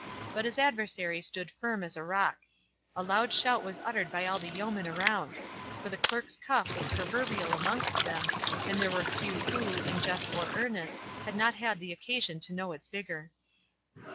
But his adversary stood firm as a rock. A loud shout was uttered by all the yeomen around; for the Clerk's cuff was proverbial amongst them, and there were few who, in jest or earnest, had not had the occasion to know its vigour.